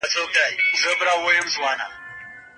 روغتیایی ټولنپوهان د ناروغ مسؤلیت اخلي.